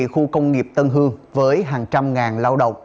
khu công nghiệp tân hương với hàng trăm ngàn lao động